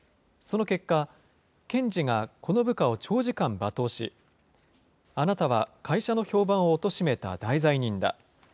その結果、検事がこの部下を長時間罵倒し、あなたは会社の評判をおとしめた大罪人だ。